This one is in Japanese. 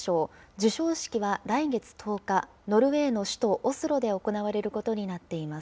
授賞式は来月１０日、ノルウェーの首都オスロで行われることになっています。